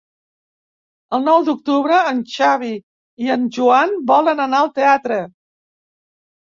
El nou d'octubre en Xavi i en Joan volen anar al teatre.